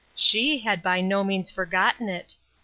She had by no means for gotten it.